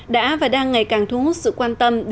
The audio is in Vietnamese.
đã và đang ngày càng thu hút sự quan tâm